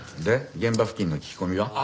で現場付近の聞き込みは？